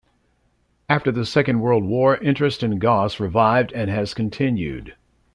After the Second World War interest in Goss revived and has continued.